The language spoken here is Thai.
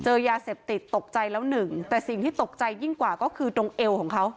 ยาเสพติดตกใจแล้วหนึ่งแต่สิ่งที่ตกใจยิ่งกว่าก็คือตรงเอวของเขา